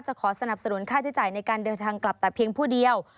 ขอสนับสนุนค่าใช้จ่ายในการเดินทางกลับแต่เพียงผู้เดียว